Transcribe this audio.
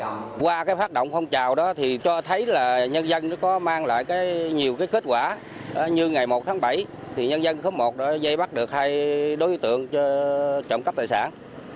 nhiều người dân có mang lại nhiều kết quả như ngày một tháng bảy nhân dân có một giây bắt được hai đối tượng trụng cắp tài sản